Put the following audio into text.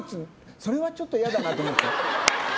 それはちょっと嫌だなと思って。